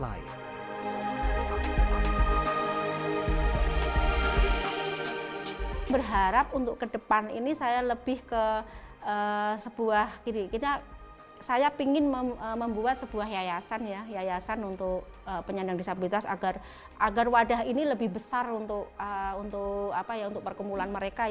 karena saya ingin membuat sebuah yayasan ya yayasan untuk penyandang disabilitas agar wadah ini lebih besar untuk perkumpulan mereka